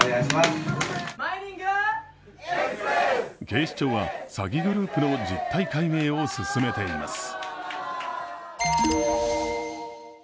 警視庁は詐欺グループの実態解明を進めています。